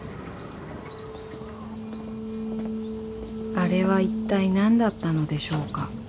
［あれはいったい何だったのでしょうか？］